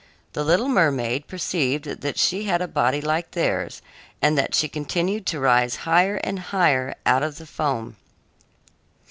The little mermaid perceived that she had a body like theirs and that she continued to rise higher and higher out of the foam.